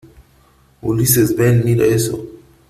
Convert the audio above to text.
Ulises , ven . mira esto .